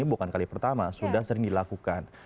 bukan kali pertama sudah sering dilakukan